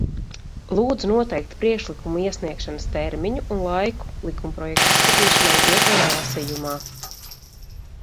Lūdzu noteikt priekšlikumu iesniegšanas termiņu un laiku likumprojekta izskatīšanai otrajā lasījumā.